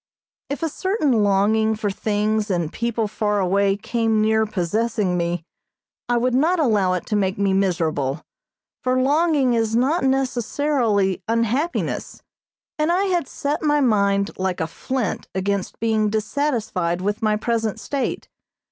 If a certain longing for things and people far away came near possessing me, I would not allow it to make me miserable, for longing is not necessarily unhappiness, and I had set my mind like a flint against being dissatisfied with my present state.